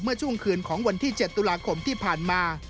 ช่วงคืนของวันที่๗ตุลาคมที่ผ่านมา